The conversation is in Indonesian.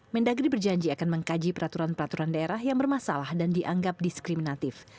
mendagri berjanji akan mengkaji peraturan peraturan daerah yang bermasalah dan dianggap diskriminatif